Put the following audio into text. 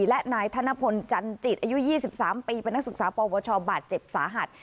และนายธนพลจันจิตอายุ๒๓ปีเป็นนักศึกษาปวชบาดเจ็บสาหัส